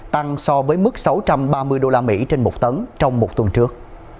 tăng so với mức sáu trăm ba mươi usd trên một tấn trong một tuần trước